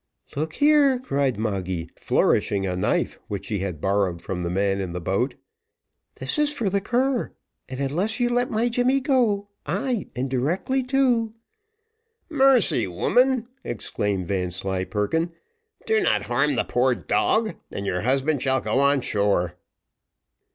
"Look here," cried Moggy, flourishing a knife which she had borrowed from the man in the boat. "This is for the cur; and unless you let my Jemmy go, ay and directly too " "Mercy, woman!" exclaimed Vanslyperken, "Do not harm the poor dog, and your husband shall go on shore."